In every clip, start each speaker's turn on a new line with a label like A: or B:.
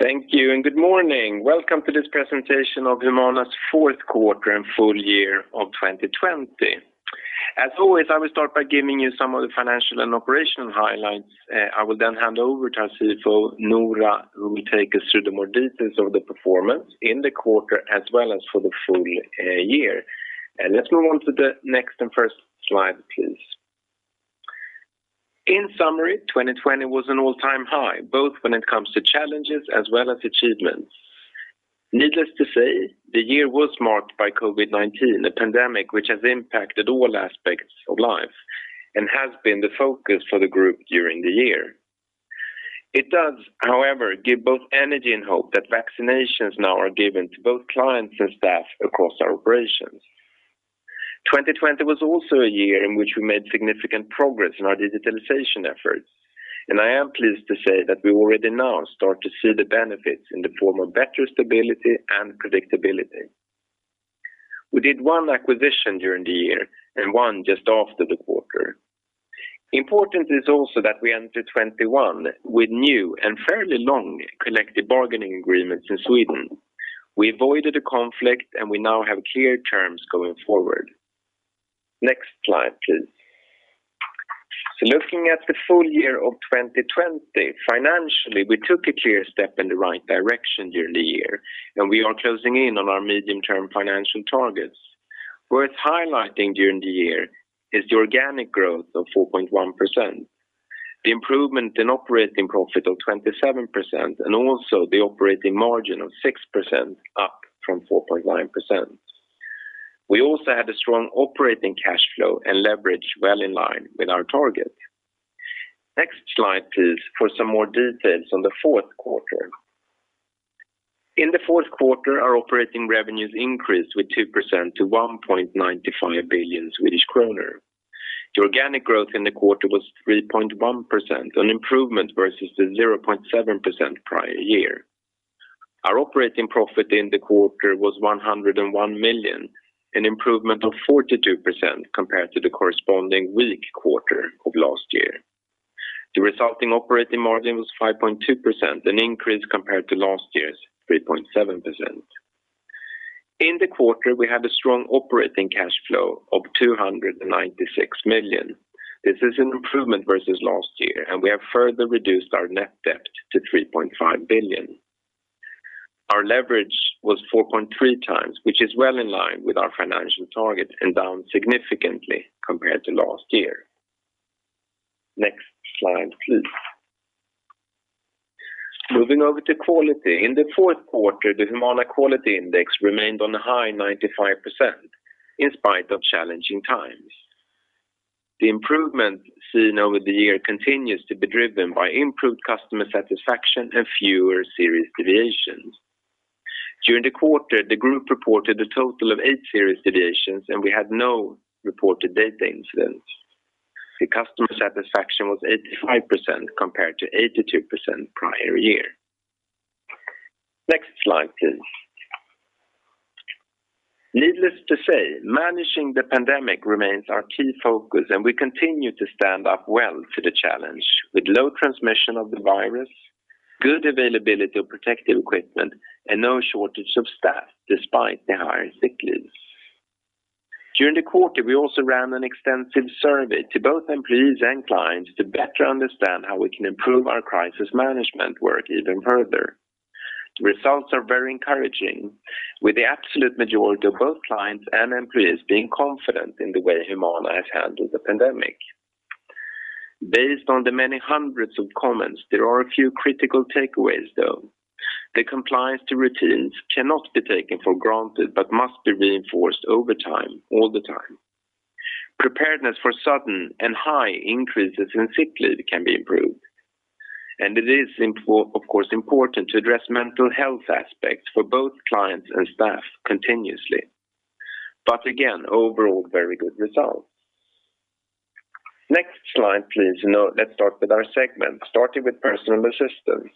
A: Thank you. Good morning. Welcome to this presentation of Humana's fourth quarter and full year of 2020. As always, I will start by giving you some of the financial and operational highlights. I will then hand over to our CFO, Noora, who will take us through the more details of the performance in the quarter as well as for the full year. Let's move on to the next and first slide, please. In summary, 2020 was an all-time high, both when it comes to challenges as well as achievements. Needless to say, the year was marked by COVID-19, a pandemic which has impacted all aspects of life and has been the focus for the group during the year. It does, however, give both energy and hope that vaccinations now are given to both clients and staff across our operations. 2020 was also a year in which we made significant progress in our digitalization efforts, and I am pleased to say that we already now start to see the benefits in the form of better stability and predictability. We did one acquisition during the year and one just after the quarter. Important is also that we enter 2021 with new and fairly long collective bargaining agreements in Sweden. We avoided a conflict, and we now have clear terms going forward. Next slide, please. Looking at the full year of 2020, financially, we took a clear step in the right direction during the year, and we are closing in on our medium-term financial targets. Worth highlighting during the year is the organic growth of 4.1%, the improvement in operating profit of 27%, and also the operating margin of 6%, up from 4.9%. We also had a strong operating cash flow and leverage well in line with our target. Next slide, please, for some more details on the fourth quarter. In the fourth quarter, our operating revenues increased with 2% to 1.95 billion Swedish kronor. The organic growth in the quarter was 3.1%, an improvement versus the 0.7% prior year. Our operating profit in the quarter was 101 million, an improvement of 42% compared to the corresponding weak quarter of last year. The resulting operating margin was 5.2%, an increase compared to last year's 3.7%. In the quarter, we had a strong operating cash flow of 296 million. This is an improvement versus last year, and we have further reduced our net debt to 3.5 billion. Our leverage was 4.3x, which is well in line with our financial target and down significantly compared to last year. Next slide, please. Moving over to quality. In the fourth quarter, the Humana quality index remained on a high 95% in spite of challenging times. The improvement seen over the year continues to be driven by improved customer satisfaction and fewer serious deviations. During the quarter, the group reported a total of eight serious deviations, and we had no reported data incidents. The customer satisfaction was 85% compared to 82% prior year. Next slide, please. Needless to say, managing the pandemic remains our key focus, and we continue to stand up well to the challenge with low transmission of the virus, good availability of protective equipment, and no shortage of staff, despite the higher sick leaves. During the quarter, we also ran an extensive survey to both employees and clients to better understand how we can improve our crisis management work even further. The results are very encouraging, with the absolute majority of both clients and employees being confident in the way Humana has handled the pandemic. Based on the many hundreds of comments, there are a few critical takeaways, though. The compliance to routines cannot be taken for granted but must be reinforced over time, all the time. Preparedness for sudden and high increases in sick leave can be improved. It is, of course, important to address mental health aspects for both clients and staff continuously. Again, overall, very good results. Next slide, please. Let's start with our segment, starting with personal assistance.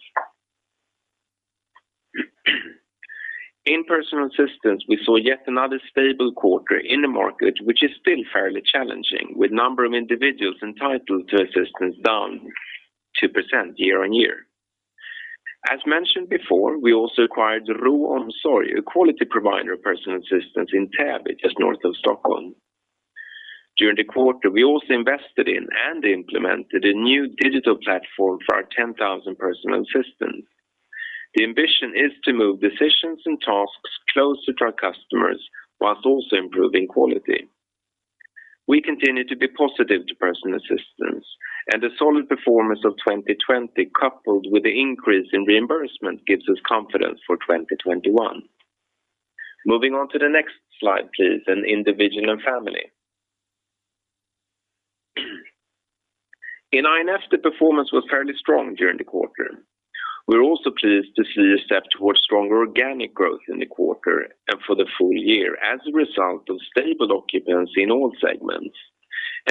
A: In personal assistance, we saw yet another stable quarter in the market, which is still fairly challenging, with number of individuals entitled to assistance down 2% year-over-year. As mentioned before, we also acquired RO Omsorg, a quality provider of personal assistance in Täby, just north of Stockholm. During the quarter, we also invested in and implemented a new digital platform for our 10,000 personal assistants. The ambition is to move decisions and tasks closer to our customers while also improving quality. We continue to be positive to personal assistance, and the solid performance of 2020, coupled with the increase in reimbursement, gives us confidence for 2021. Moving on to the next slide, please, in individual and family. In I&F, the performance was fairly strong during the quarter. We're also pleased to see a step towards stronger organic growth in the quarter and for the full year as a result of stable occupancy in all segments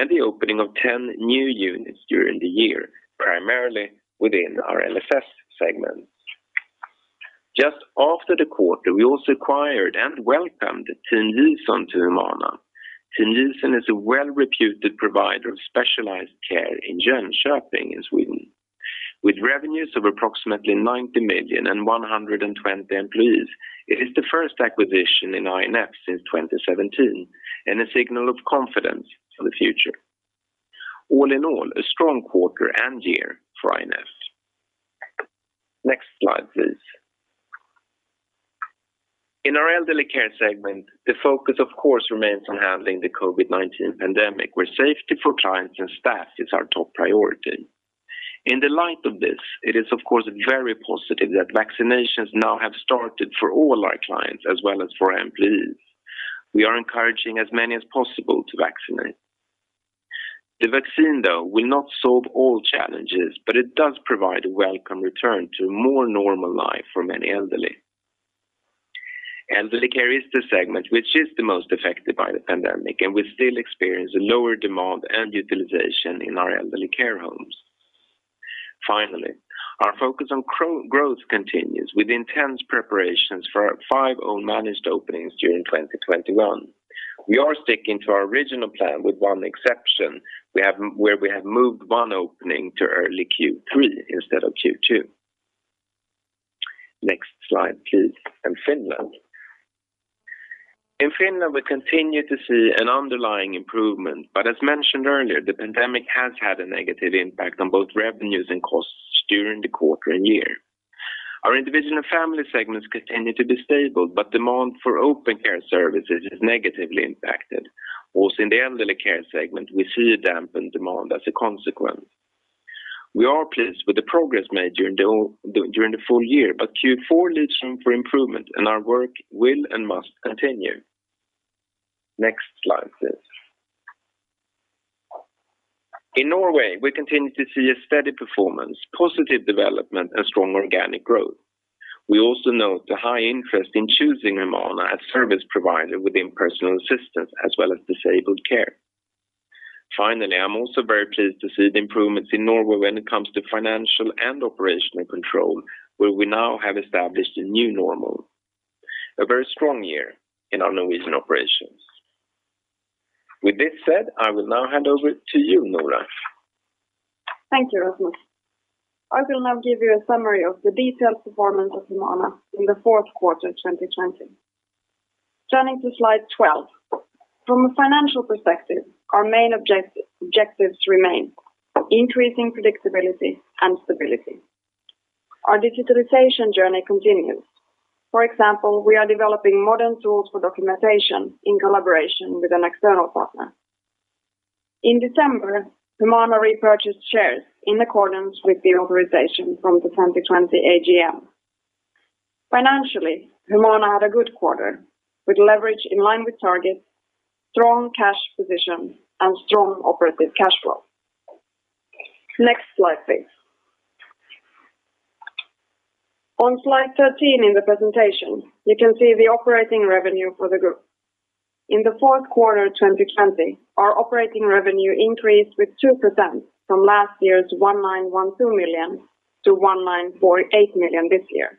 A: and the opening of 10 new units during the year, primarily within our NFS segment. Just after the quarter, we also acquired and welcomed Sten Nilsson to Humana. Sten Nilsson is a well-reputed provider of specialized care in Jönköping in Sweden. With revenues of approximately 90 million and 120 employees, it is the first acquisition in I&F since 2017. A signal of confidence for the future. All in all, a strong quarter and year for I&F. Next slide, please. In our elderly care segment, the focus of course remains on handling the COVID-19 pandemic, where safety for clients and staff is our top priority. In the light of this, it is of course very positive that vaccinations now have started for all our clients as well as for our employees. We are encouraging as many as possible to vaccinate. The vaccine, though, will not solve all challenges, but it does provide a welcome return to a more normal life for many elderly. Elderly care is the segment which is the most affected by the pandemic, and we still experience a lower demand and utilization in our elderly care homes. Our focus on growth continues with intense preparations for our five own managed openings during 2021. We are sticking to our original plan with one exception, where we have moved one opening to early Q3 instead of Q2. Next slide, please. Finland. In Finland, we continue to see an underlying improvement, but as mentioned earlier, the pandemic has had a negative impact on both revenues and costs during the quarter and year. Our individual family segments continue to be stable, but demand for open care services is negatively impacted. Also in the elderly care segment, we see a dampened demand as a consequence. We are pleased with the progress made during the full year, but Q4 leaves room for improvement, and our work will and must continue. Next slide, please. In Norway, we continue to see a steady performance, positive development, and strong organic growth. We also note the high interest in choosing Humana as service provider within personal assistance as well as disabled care. Finally, I'm also very pleased to see the improvements in Norway when it comes to financial and operational control, where we now have established a new normal. A very strong year in our Norwegian operations. With this said, I will now hand over to you, NoOra.
B: Thank you, Rasmus. I will now give you a summary of the detailed performance of Humana in the fourth quarter 2020. Turning to slide 12. From a financial perspective, our main objectives remain increasing predictability and stability. Our digitalization journey continues. For example, we are developing modern tools for documentation in collaboration with an external partner. In December, Humana repurchased shares in accordance with the authorization from the 2020 AGM. Financially, Humana had a good quarter with leverage in line with targets, strong cash position, and strong operative cash flow. Next slide, please. On slide 13 in the presentation, you can see the operating revenue for the group. In the fourth quarter 2020, our operating revenue increased with 2% from last year's 1,912 million-1,948 million this year.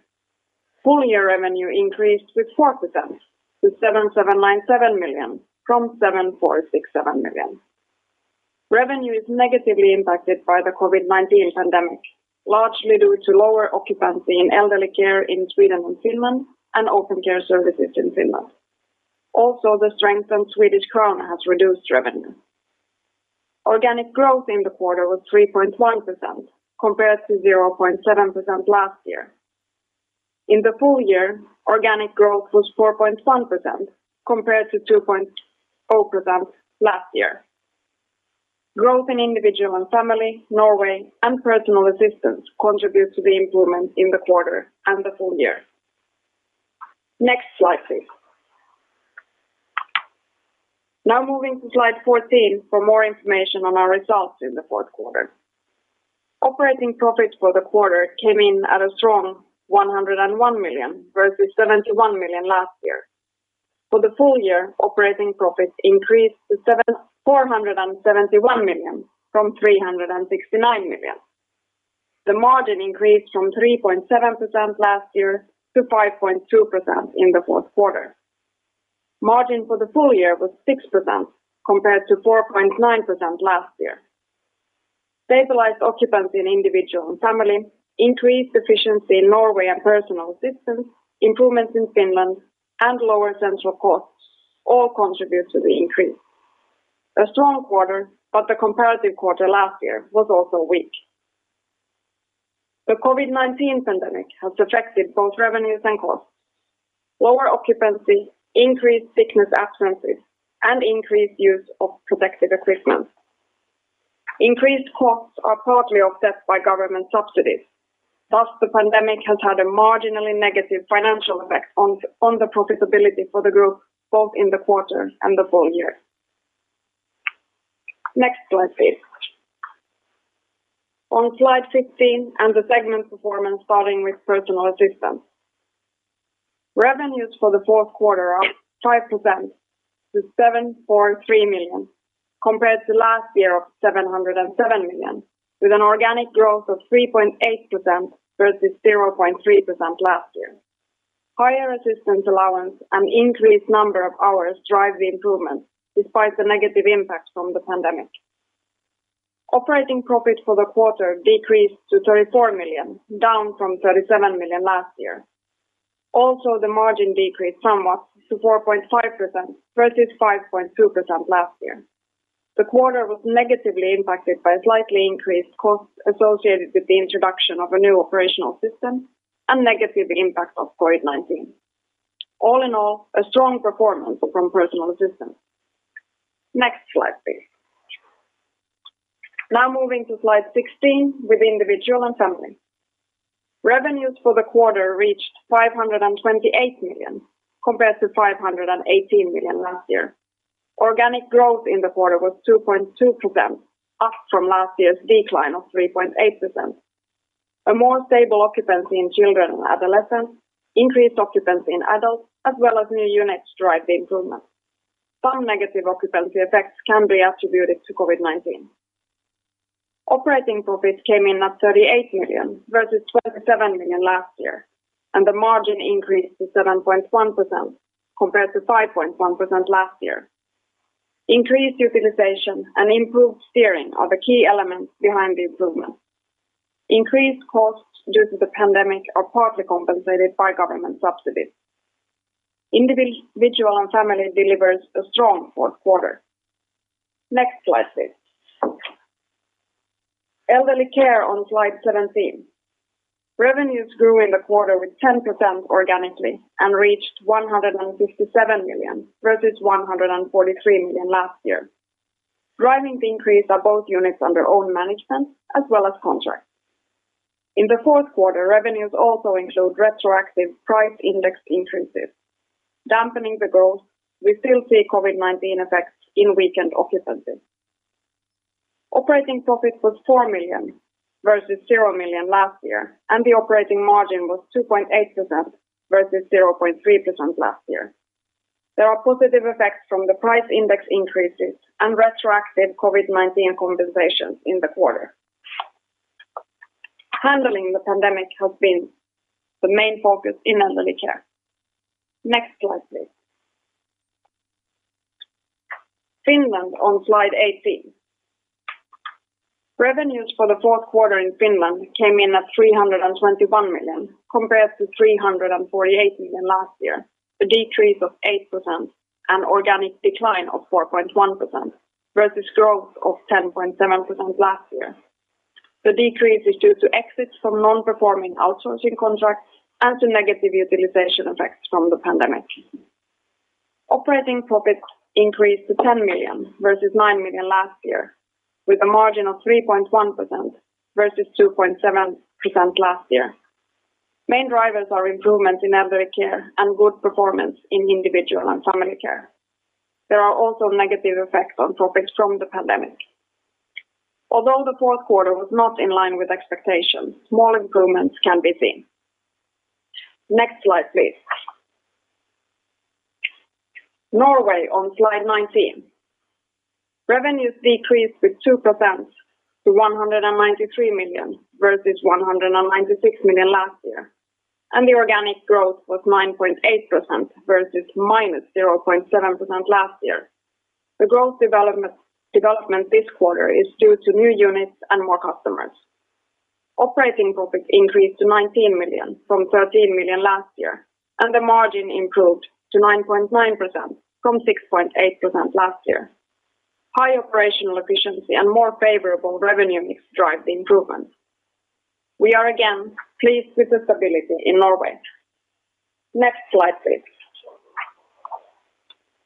B: Full-year revenue increased with 4% to 7,797 million from 7,467 million. Revenue is negatively impacted by the COVID-19 pandemic, largely due to lower occupancy in elderly care in Sweden and Finland and open care services in Finland. Also, the strength in Swedish krona has reduced revenue. Organic growth in the quarter was 3.1% compared to 0.7% last year. In the full year, organic growth was 4.1% compared to 2.0% last year. Growth in individual and family, Norway, and personal assistance contributes to the improvement in the quarter and the full year. Next slide, please. Now moving to slide 14 for more information on our results in the fourth quarter. Operating profits for the quarter came in at a strong 101 million versus 71 million last year. For the full year, operating profits increased to 471 million from 369 million. The margin increased from 3.7% last year to 5.2% in the fourth quarter. Margin for the full year was 6% compared to 4.9% last year. Stabilized occupancy in individual and family, increased efficiency in Norway and personal assistance, improvements in Finland, and lower central costs all contribute to the increase. A strong quarter, but the comparative quarter last year was also weak. The COVID-19 pandemic has affected both revenues and costs. Lower occupancy, increased sickness absences, and increased use of protective equipment. Increased costs are partly offset by government subsidies. Thus, the pandemic has had a marginally negative financial effect on the profitability for the group, both in the quarter and the full year. Next slide, please. On slide 15 and the segment performance, starting with personal assistance. Revenues for the fourth quarter are 5% to 743 million, compared to last year of 707 million, with an organic growth of 3.8% versus 0.3% last year. Higher assistance allowance and increased number of hours drive the improvement despite the negative impact from the pandemic. Operating profit for the quarter decreased to 34 million, down from 37 million last year. Also, the margin decreased somewhat to 4.5% versus 5.2% last year. The quarter was negatively impacted by slightly increased costs associated with the introduction of a new operational system and negative impact of COVID-19. All in all, a strong performance from Personal Assistance. Next slide, please. Now moving to slide 16 with Individual and Family. Revenues for the quarter reached 528 million compared to 518 million last year. Organic growth in the quarter was 2.2%, up from last year's decline of 3.8%. A more stable occupancy in children and adolescents, increased occupancy in adults, as well as new units drive the improvement. Some negative occupancy effects can be attributed to COVID-19. Operating profits came in at 38 million versus 27 million last year, and the margin increased to 7.1% compared to 5.1% last year. Increased utilization and improved steering are the key elements behind the improvement. Increased costs due to the pandemic are partly compensated by government subsidies. Individual and Family delivers a strong fourth quarter. Next slide, please. Elderly Care on slide 17. Revenues grew in the quarter with 10% organically and reached 157 million versus 143 million last year. Driving the increase are both units under own management as well as contracts. In the fourth quarter, revenues also include retroactive price index increases. Dampening the growth, we still see COVID-19 effects in weakened occupancy. Operating profit was 4 million versus 0 million last year, and the operating margin was 2.8% versus 0.3% last year. There are positive effects from the price index increases and retroactive COVID-19 compensations in the quarter. Handling the pandemic has been the main focus in Elderly Care. Next slide, please. Finland on slide 18. Revenues for the fourth quarter in Finland came in at 321 million compared to 348 million last year, a decrease of 8% and organic decline of 4.1% versus growth of 10.7% last year. The decrease is due to exits from non-performing outsourcing contracts and to negative utilization effects from the pandemic. Operating profits increased to 10 million versus 9 million last year, with a margin of 3.1% versus 2.7% last year. Main drivers are improvement in Elderly Care and good performance in Individual and Family Care. There are also negative effects on profits from the pandemic. Although the fourth quarter was not in line with expectations, small improvements can be seen. Next slide, please. Norway on slide 19. Revenues decreased with 2% to 193 million versus 196 million last year, and the organic growth was 9.8% versus -0.7% last year. The growth development this quarter is due to new units and more customers. Operating profit increased to 19 million from 13 million last year, and the margin improved to 9.9% from 6.8% last year. High operational efficiency and more favorable revenue mix drive the improvement. We are again pleased with the stability in Norway. Next slide, please.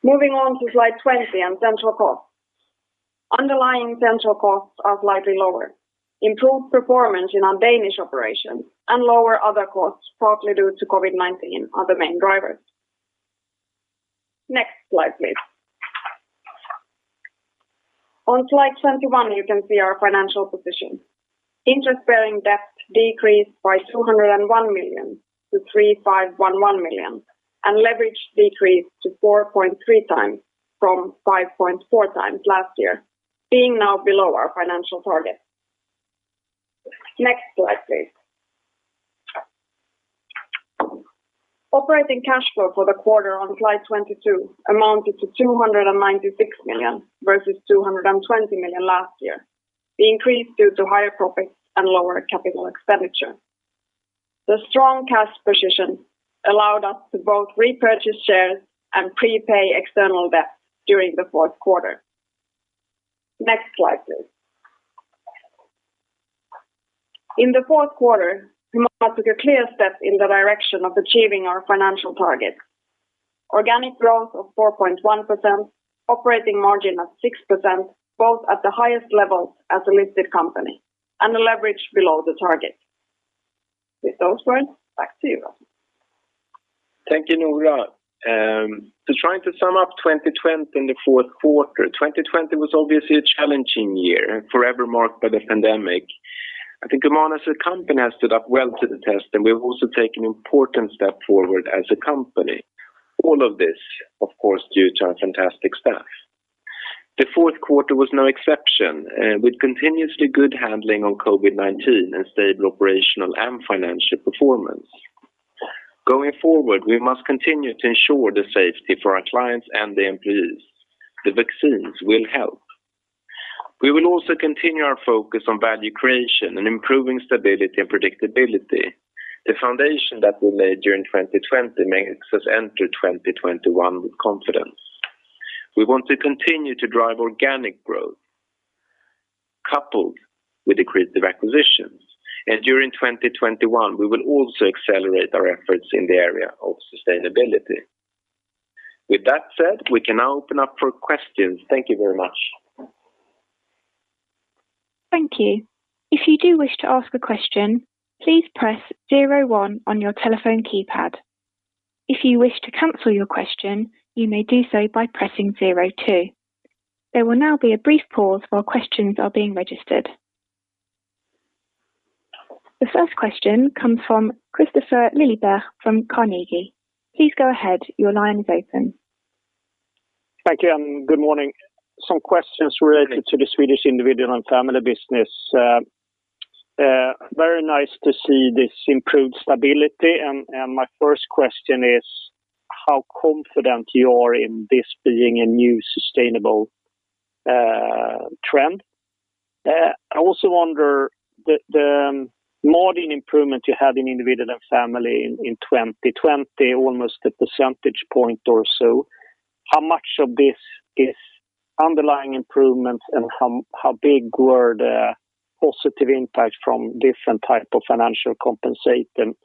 B: Moving on to slide 20 on Central Costs. Underlying central costs are slightly lower. Improved performance in our Danish operations and lower other costs, partly due to COVID-19, are the main drivers. Next slide, please. On slide 21, you can see our financial position. Interest-bearing debt decreased by 201 million-3,511 million, and leverage decreased to 4.3x from 5.4x last year, being now below our financial target. Next slide, please. Operating cash flow for the quarter on slide 22 amounted to 296 million versus 220 million last year, the increase due to higher profits and lower capital expenditure. The strong cash position allowed us to both repurchase shares and prepay external debt during the fourth quarter. Next slide, please. In the fourth quarter, Humana took a clear step in the direction of achieving our financial targets. Organic growth of 4.1%, operating margin of 6%, both at the highest levels as a listed company, and a leverage below the target. With those words, back to you, Rasmus.
A: Thank you, Noora. To try to sum up 2020 and the fourth quarter, 2020 was obviously a challenging year, forever marked by the pandemic. I think Humana as a company has stood up well to the test, and we have also taken an important step forward as a company. All of this, of course, due to our fantastic staff. The fourth quarter was no exception, with continuously good handling on COVID-19 and stable operational and financial performance. Going forward, we must continue to ensure the safety for our clients and the employees. The vaccines will help. We will also continue our focus on value creation and improving stability and predictability. The foundation that we made during 2020 makes us enter 2021 with confidence. We want to continue to drive organic growth, coupled with accretive acquisitions. During 2021, we will also accelerate our efforts in the area of sustainability. With that said, we can now open up for questions. Thank you very much.
C: Thank you. If you do wish to ask a question, please press zero one on your telephone keypad. If you wish to cancel your question, you may do so by pressing zero two. There will now be a brief pause while questions are being registered. The first question comes from Kristofer Liljeberg from Carnegie. Please go ahead. Your line is open.
D: Thank you. Good morning. Some questions related to the Swedish individual and family business. Very nice to see this improved stability, and my first question is how confident you are in this being a new sustainable trend? I also wonder the margin improvement you had in individual and family in 2020, almost a percentage point or so. How much of this is underlying improvements and how big were the positive impacts from different type of financial compensation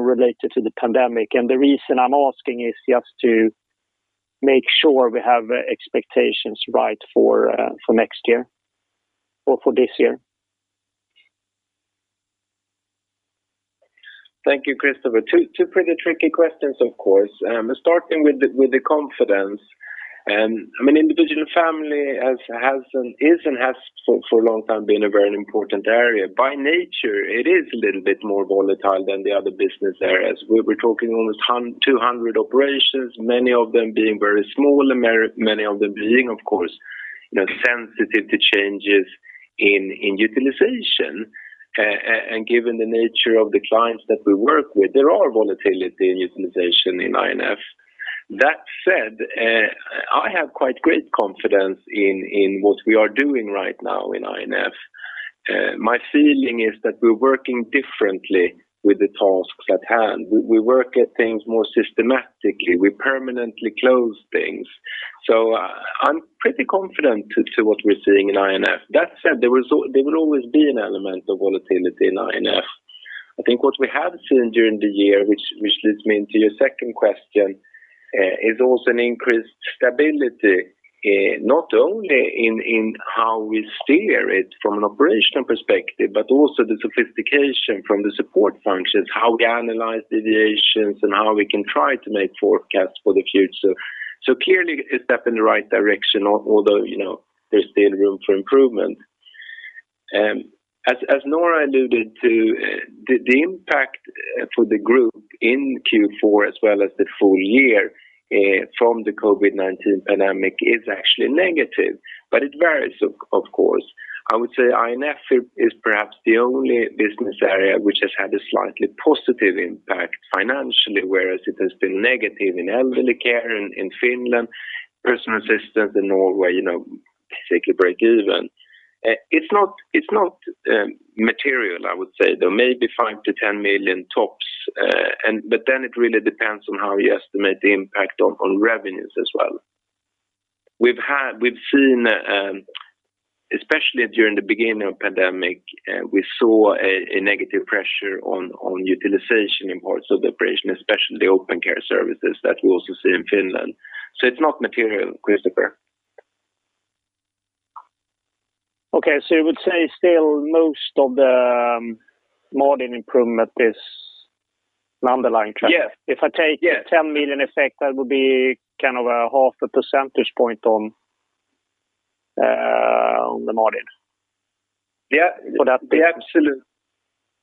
D: related to the pandemic? The reason I am asking is just to make sure we have expectations right for next year or for this year.
A: Thank you, Kristofer. Two pretty tricky questions, of course. Starting with the confidence. Individual and family is and has for a long time been a very important area. By nature, it is a little bit more volatile than the other business areas. We're talking almost 200 operations, many of them being very small and many of them being, of course, sensitive to changes in utilization. Given the nature of the clients that we work with, there are volatility in utilization in I&F. That said, I have quite great confidence in what we are doing right now in I&F. My feeling is that we're working differently with the tasks at hand. We work at things more systematically. We permanently close things. I'm pretty confident to what we're seeing in I&F. That said, there will always be an element of volatility in I&F. I think what we have seen during the year, which leads me into your second question, is also an increased stability, not only in how we steer it from an operational perspective, but also the sophistication from the support functions, how we analyze deviations, and how we can try to make forecasts for the future. Clearly a step in the right direction, although there's still room for improvement. As Noora alluded to, the impact for the group in Q4 as well as the full year from the COVID-19 pandemic is actually negative, but it varies, of course. I would say I&F is perhaps the only business area which has had a slightly positive impact financially, whereas it has been negative in elderly care in Finland, personal assistant in Norway, basically break even. It's not material, I would say, though maybe 5 million-10 million tops. It really depends on how you estimate the impact on revenues as well. We've seen, especially during the beginning of pandemic, we saw a negative pressure on utilization in parts of the operation, especially open care services that we also see in Finland. It's not material, Kristofer.
D: Okay, you would say still most of the margin improvement is an underlying track?
A: Yes.
D: If I take the 10 million effect, that would be kind of a half a percentage point on the margin.
A: Yeah.
D: Would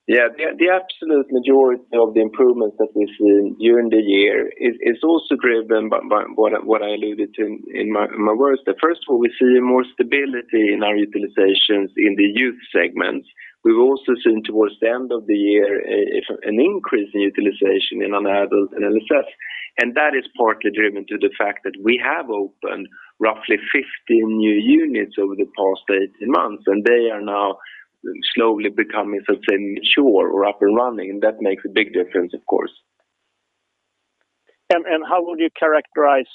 D: that be-
A: The absolute majority of the improvements that we've seen during the year is also driven by what I alluded to in my words. That first of all, we see more stability in our utilizations in the youth segments. We've also seen towards the end of the year an increase in utilization in adult and LSS, and that is partly driven to the fact that we have opened roughly 15 new units over the past 18 months, and they are now slowly becoming sort of mature or up and running, and that makes a big difference, of course.
D: How would you characterize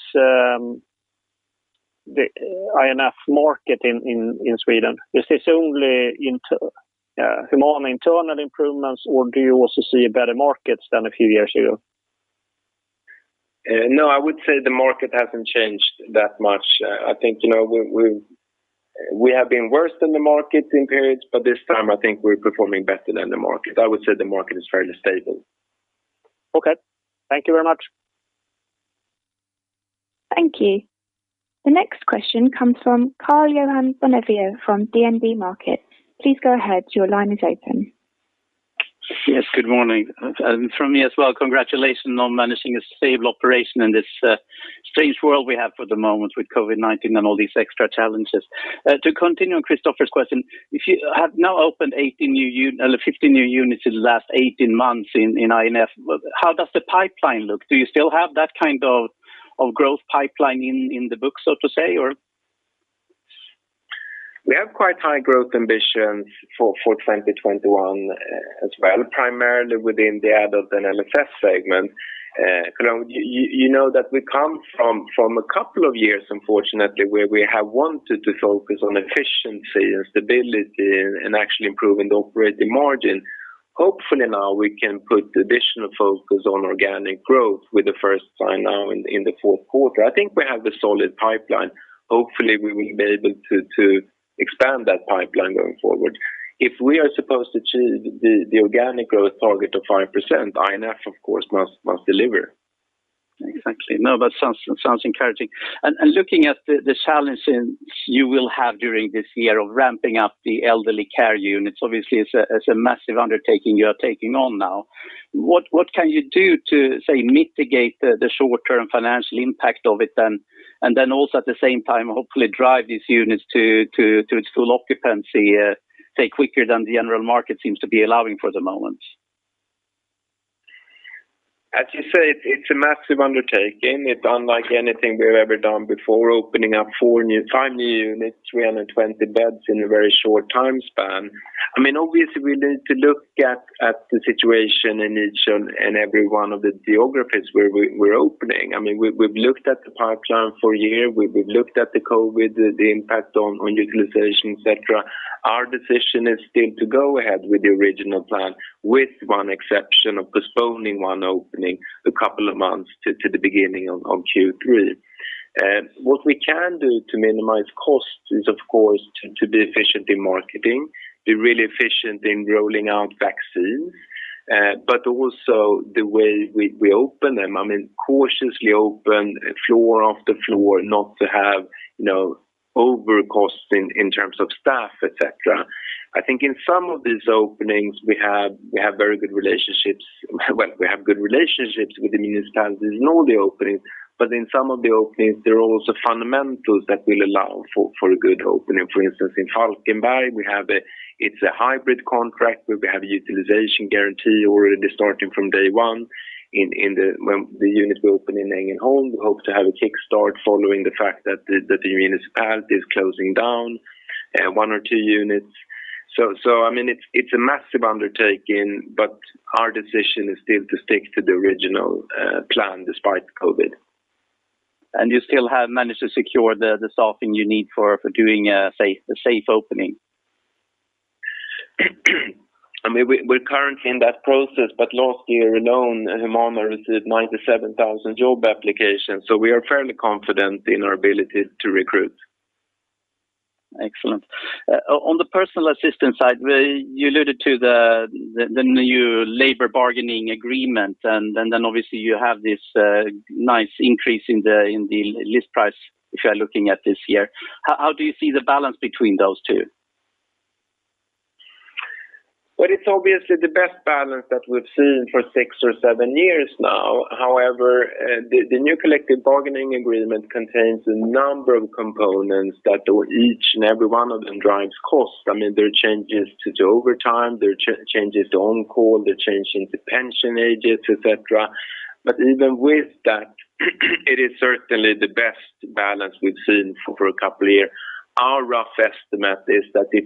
D: the I&F market in Sweden? Is this only internal improvements, or do you also see better markets than a few years ago?
A: No, I would say the market hasn't changed that much. I think we have been worse than the market in periods, but this time I think we're performing better than the market. I would say the market is fairly stable.
D: Okay. Thank you very much.
C: Thank you. The next question comes from Karl-Johan Solveig from DNB Markets. Please go ahead. Your line is open.
E: Yes, good morning. From me as well, congratulations on managing a stable operation in this strange world we have for the moment with COVID-19 and all these extra challenges. To continue on Kristofer's question, if you have now opened 15 new units in the last 18 months in I&F, how does the pipeline look? Do you still have that kind of growth pipeline in the book, so to say?
A: We have quite high growth ambitions for 2021 as well, primarily within the adult and LSS segment. You know that we come from a couple of years, unfortunately, where we have wanted to focus on efficiency and stability and actually improving the operating margin. Hopefully now we can put additional focus on organic growth with the first sign now in the fourth quarter. I think we have a solid pipeline. Hopefully, we will be able to expand that pipeline going forward. If we are supposed to achieve the organic growth target of 5%, INF, of course, must deliver.
E: Exactly. No, but sounds encouraging. Looking at the challenges you will have during this year of ramping up the elderly care units, obviously it's a massive undertaking you are taking on now. What can you do to, say, mitigate the short-term financial impact of it then? Also at the same time, hopefully drive these units to its full occupancy, say, quicker than the general market seems to be allowing for the moment?
A: As you say, it's a massive undertaking. It's unlike anything we've ever done before, opening up five new units, 320 beds in a very short time span. Obviously we need to look at the situation in each and every one of the geographies where we're opening. We've looked at the pipeline for a year. We've looked at the COVID-19, the impact on utilization, et cetera. Our decision is still to go ahead with the original plan, with one exception of postponing one opening a couple of months to the beginning of Q3. What we can do to minimize costs is, of course, to be efficient in marketing, be really efficient in rolling out vaccines, but also the way we open them. Cautiously open floor after floor, not to have over costs in terms of staff, et cetera. I think in some of these openings, we have good relationships with the municipalities in all the openings, but in some of the openings, there are also fundamentals that will allow for a good opening. For instance, in Falkenberg, it's a hybrid contract where we have a utilization guarantee already starting from day one. When the unit will open in Ängelholm, we hope to have a kickstart following the fact that the municipality is closing down one or two units. It's a massive undertaking, but our decision is still to stick to the original plan despite COVID.
E: You still have managed to secure the staffing you need for doing a safe opening?
A: We're currently in that process, but last year alone, Humana received 97,000 job applications. We are fairly confident in our ability to recruit.
E: Excellent. On the personal assistant side, you alluded to the new labor bargaining agreement, and then obviously you have this nice increase in the list price if you are looking at this year. How do you see the balance between those two?
A: Well, it's obviously the best balance that we've seen for six or seven years now. The new collective bargaining agreement contains a number of components that each and every one of them drives costs. There are changes to the overtime, there are changes to on-call, there are changes to pension ages, et cetera. Even with that, it is certainly the best balance we've seen for a couple of years. Our rough estimate is that if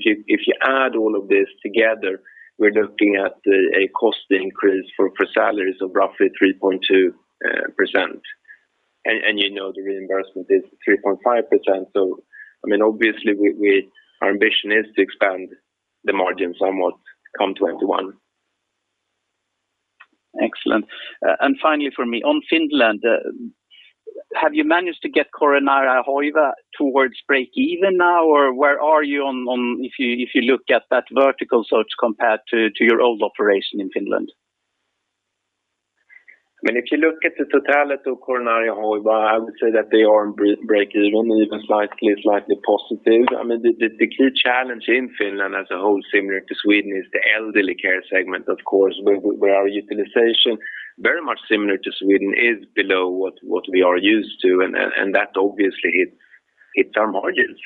A: you add all of this together, we're looking at a cost increase for salaries of roughly 3.2%. You know the reimbursement is 3.5%. Obviously our ambition is to expand the margins somewhat come 2021.
E: Excellent. Finally from me, on Finland, have you managed to get Coronaria Hoiva towards breakeven now, or where are you if you look at that vertical, so it's compared to your old operation in Finland?
A: If you look at the totality of Coronaria Hoiva, I would say that they are breakeven, even slightly positive. The key challenge in Finland as a whole, similar to Sweden, is the elderly care segment, of course, where our utilization, very much similar to Sweden, is below what we are used to, and that obviously hits our margins.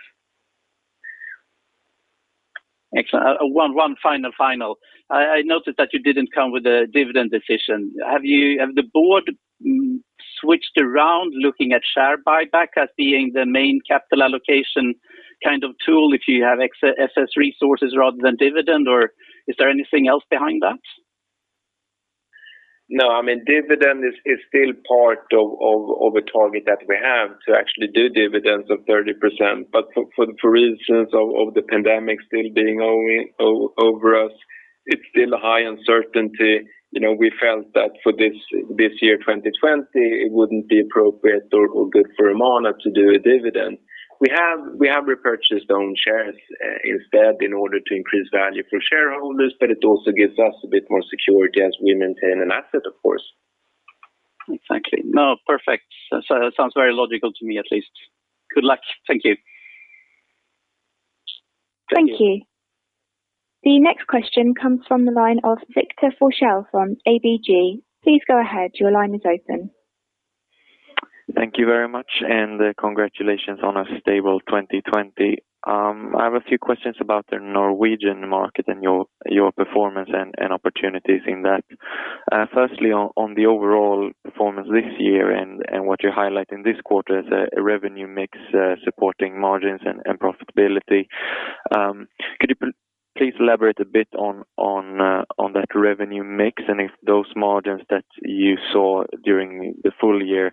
E: Excellent. One final. I noted that you didn't come with a dividend decision. Have the Board switched around looking at share buyback as being the main capital allocation tool if you have excess resources rather than dividend, or is there anything else behind that?
A: No, dividend is still part of a target that we have to actually do dividends of 30%. For instance of the pandemic still being over us, it is still a high uncertainty. We felt that for this year 2020, it wouldn't be appropriate or good for Humana to do a dividend. We have repurchased own shares instead in order to increase value for shareholders, but it also gives us a bit more security as we maintain an asset, of course.
E: Exactly. Perfect. That sounds very logical to me, at least. Good luck. Thank you.
C: Thank you. The next question comes from the line of Victor Forssell from ABG. Please go ahead. Your line is open.
F: Thank you very much, and congratulations on a stable 2020. I have a few questions about the Norwegian market and your performance and opportunities in that. Firstly, on the overall performance this year and what you highlight in this quarter as a revenue mix supporting margins and profitability. Could you please elaborate a bit on that revenue mix and if those margins that you saw during the full year,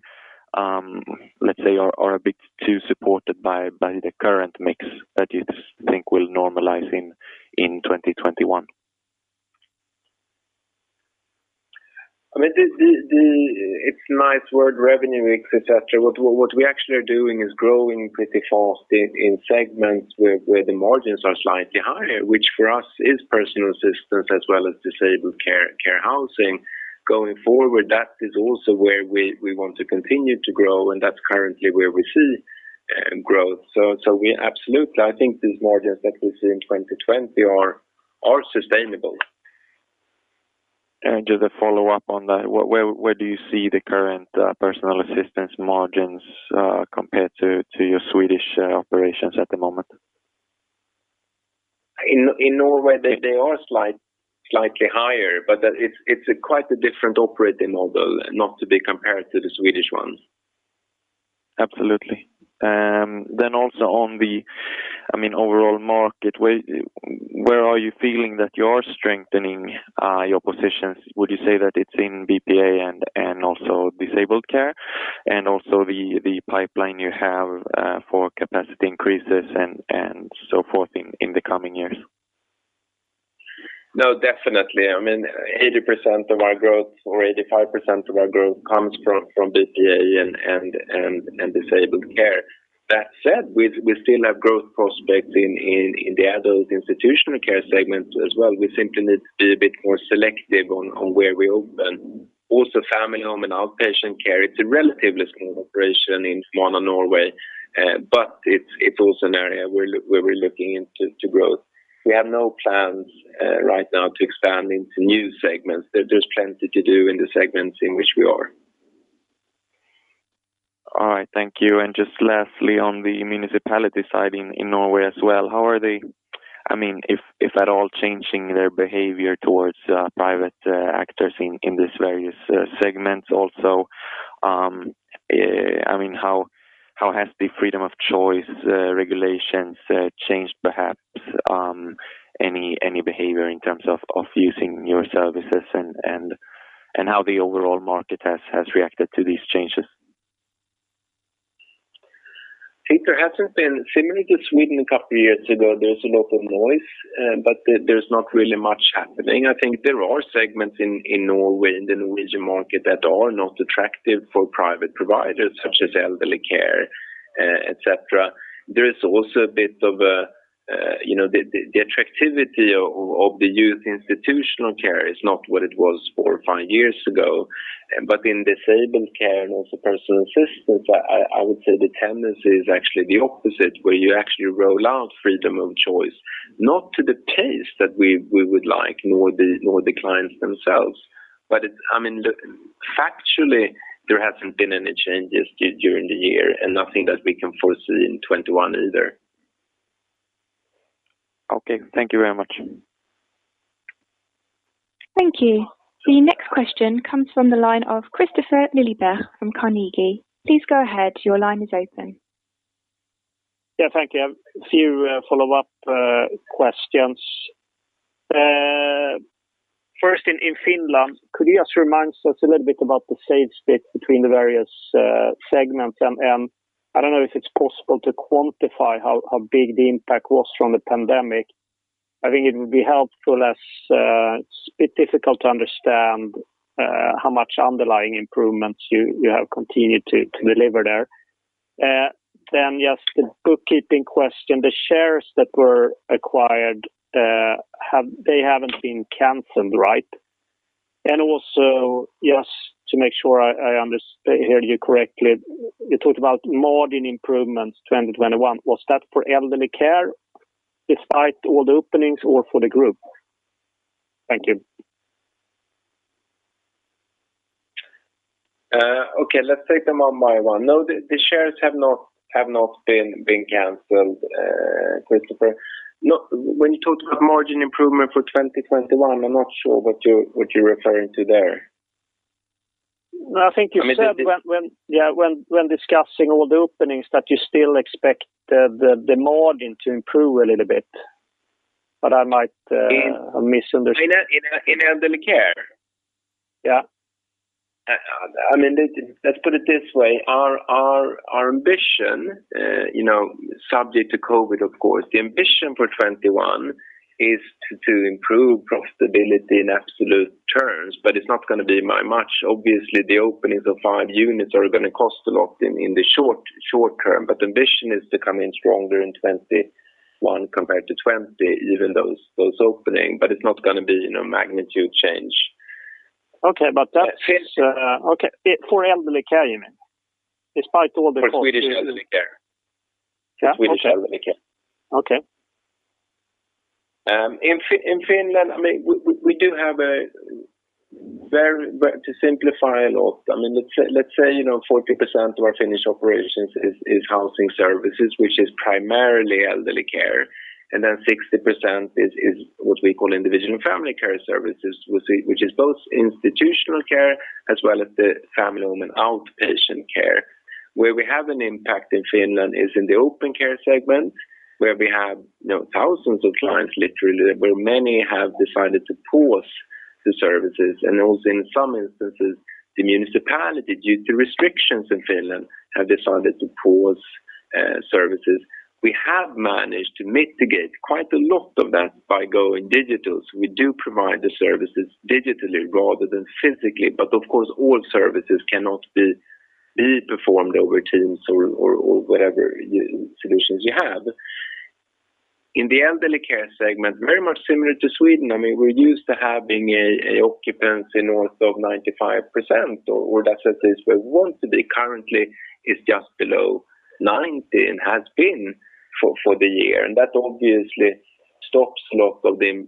F: let's say, are a bit too supported by the current mix that you think will normalize in 2021?
A: It's a nice word, revenue mix, et cetera. What we actually are doing is growing pretty fast in segments where the margins are slightly higher, which for us is personal assistance as well as disabled care housing. Going forward, that is also where we want to continue to grow, and that's currently where we see growth. Absolutely, I think these margins that we see in 2020 are sustainable.
F: Just a follow-up on that. Where do you see the current personal assistance margins compared to your Swedish operations at the moment?
A: In Norway, they are slightly higher, but it's quite a different operating model, not to be compared to the Swedish ones.
F: Absolutely. Also on the overall market, where are you feeling that you are strengthening your positions? Would you say that it's in BPA and also disabled care? Also the pipeline you have for capacity increases and so forth in the coming years?
A: No, definitely. 80% of our growth or 85% of our growth comes from BPA and disabled care. That said, we still have growth prospects in the adult institutional care segment as well. We simply need to be a bit more selective on where we open. Also, family home and outpatient care, it's a relatively small operation in small Norway, but it's also an area where we're looking into growth. We have no plans right now to expand into new segments. There's plenty to do in the segments in which we are.
F: Just lastly, on the municipality side in Norway as well, how are they, if at all, changing their behavior towards private actors in these various segments also? How has the freedom of choice regulations changed perhaps any behavior in terms of using your services and how the overall market has reacted to these changes?
A: I think there hasn't been similar to Sweden a couple of years ago. There's a lot of noise, there's not really much happening. I think there are segments in Norway, in the Norwegian market that are not attractive for private providers such as elderly care, et cetera. There is also a bit of the attractivity of the youth institutional care is not what it was four or five years ago, in disabled care and also personal assistance, I would say the tendency is actually the opposite, where you actually roll out freedom of choice, not to the taste that we would like nor the clients themselves. Factually, there hasn't been any changes during the year and nothing that we can foresee in 2021 either.
F: Okay. Thank you very much.
C: Thank you. The next question comes from the line of Kristofer Liljeberg from Carnegie. Please go ahead. Your line is open.
D: Yeah, thank you. A few follow-up questions. First in Finland, could you just remind us a little bit about the sales split between the various segments? I don't know if it's possible to quantify how big the impact was from the pandemic. I think it would be helpful as it's a bit difficult to understand how much underlying improvements you have continued to deliver there. Just a bookkeeping question. The shares that were acquired, they haven't been canceled, right? Also, just to make sure I heard you correctly, you talked about margin improvements 2021. Was that for elderly care despite all the openings or for the group? Thank you.
A: Okay, let's take them one by one. No, the shares have not been canceled, Kristofer. When you talk about margin improvement for 2021, I'm not sure what you're referring to there.
D: No, I think you said when discussing all the openings that you still expect the margin to improve a little bit, but I might have misunderstood.
A: In elderly care?
D: Yeah.
A: Let's put it this way. Our ambition, subject to COVID, of course, the ambition for 2021 is to improve profitability in absolute terms, but it's not going to be by much. Obviously, the openings of five units are going to cost a lot in the short term, but the ambition is to come in stronger in 2021 compared to 2020, even those opening, but it's not going to be magnitude change.
D: Okay. For elderly care, you mean?
A: For Swedish elderly care.
D: Okay.
A: In Finland, to simplify a lot, let's say 40% of our Finnish operations is housing services, which is primarily elderly care, and then 60% is what we call individual family care services, which is both institutional care as well as the family home and outpatient care. Where we have an impact in Finland is in the open care segment, where we have thousands of clients literally, where many have decided to pause the services and also in some instances, the municipality, due to restrictions in Finland, have decided to pause services. We have managed to mitigate quite a lot of that by going digital. We do provide the services digitally rather than physically. Of course, all services cannot be performed over Teams or whatever solutions you have. In the elderly care segment, very much similar to Sweden, we're used to having an occupancy north of 95%, or that's at least where we want to be. Currently is just below 90% and has been for the year. That obviously stops a lot of the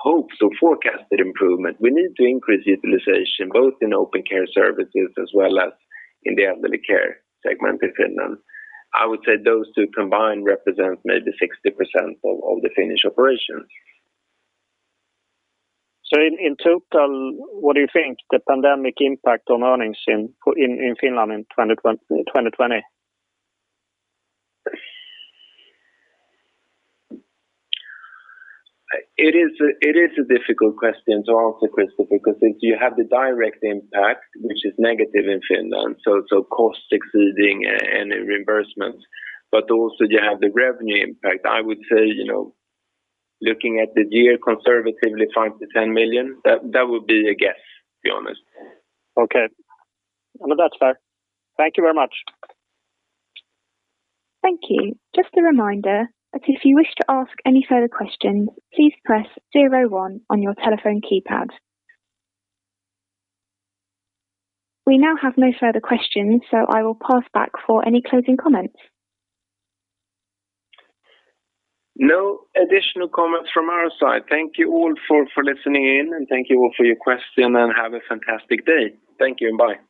A: hopes or forecasted improvement. We need to increase utilization, both in open care services as well as in the elderly care segment in Finland. I would say those two combined represent maybe 60% of the Finnish operations.
D: In total, what do you think the pandemic impact on earnings in Finland in 2020?
A: It is a difficult question to answer, Kristofer, because you have the direct impact, which is negative in Finland, so cost exceeding any reimbursement. Also you have the revenue impact. I would say, looking at the year conservatively, 5 million-10 million. That would be a guess, to be honest.
D: Okay. No, that's fair. Thank you very much.
C: Thank you. Just a reminder that if you wish to ask any further questions, please press zero one on your telephone keypad. We now have no further questions, so I will pass back for any closing comments.
A: No additional comments from our side. Thank you all for listening in, and thank you all for your question, and have a fantastic day. Thank you and bye.